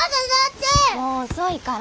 もう遅いから。